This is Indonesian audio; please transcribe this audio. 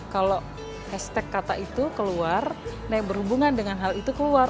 kalau hashtag kata itu keluar nah yang berhubungan dengan hal itu keluar